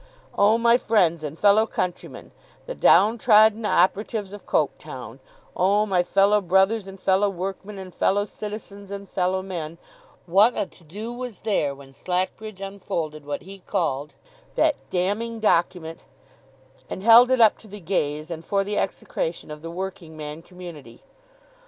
Oh, my friends and fellow countrymen, the down trodden operatives of Coketown, oh, my fellow brothers and fellow workmen and fellow citizens and fellow men, what a to do was there, when Slackbridge unfolded what he called 'that damning document,' and held it up to the gaze, and for the execration of the working man community!